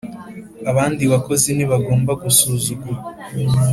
abandi bakozi ntibagomba gusuzugurwa